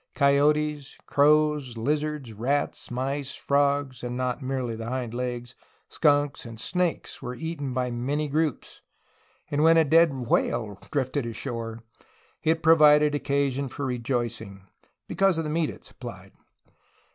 Coyotes, crows, lizards, rats, mice, frogs (and not merely the hind legs), skunks, and snakes were eaten by many groups, and when a dead whale drifted ashore it provided occasion for rejoicing, because of the meat it supplied.